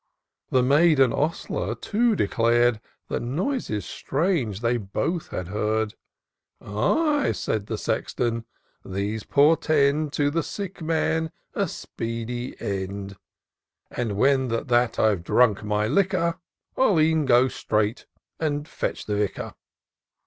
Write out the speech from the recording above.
The maid and ostler too declar'd That noises strange they both had heard. " Ay," cried the Sexton, " these portend To the sick mapi a, speedy end; And, when that I have drunk my liquor, I'll e'en go straight and fetch the Vicar."